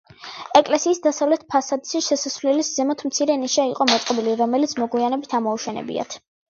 ეკლესიის დასავლეთ ფასადზე, შესასვლელის ზემოთ, მცირე ნიშა იყო მოწყობილი, რომელიც მოგვიანებით ამოუშენებიათ.